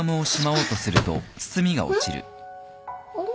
あれ？